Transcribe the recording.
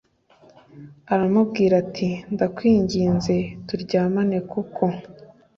aramubwira ati ndakwinginze turyamane kuko